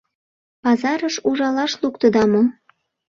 — Пазарыш ужалаш луктыда мо?